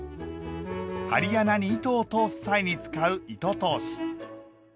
針穴に糸を通す際に使う糸通し。